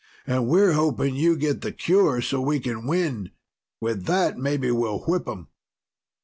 And we're hoping you get the cure so we can win. With that, maybe we'll whip them."